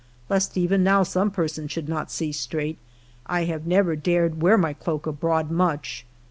Lest even now some person should not see straig^ht, I have never dared wear mv cloak abroad much.